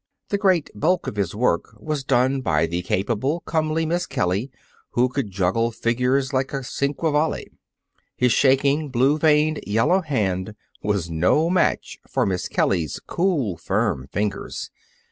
The great bulk of his work was done by the capable, comely Miss Kelly who could juggle figures like a Cinquevalli. His shaking, blue veined yellow hand was no match for Miss Kelly's cool, firm fingers.